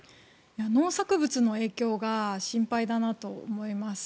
農作物の影響が心配だなと思います。